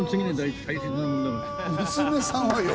娘さんはよ。